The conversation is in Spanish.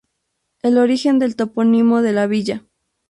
El origen del topónimo de la Villa.